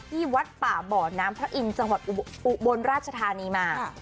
ที่วัดป่าบ่อน้ำพระอินทร์จังหวัดอุบลราชธานีมา